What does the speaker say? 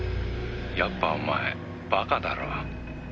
「やっぱお前バカだろ？」